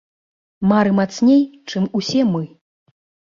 Мары мацней, чым усе мы!